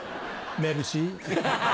メルシー。